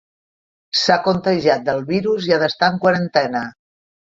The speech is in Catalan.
S'ha contagiat del virus i ha d'estar en quarantena.